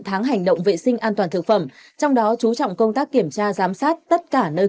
tháng hành động vệ sinh an toàn thực phẩm trong đó chú trọng công tác kiểm tra giám sát tất cả nơi